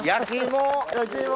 焼き芋！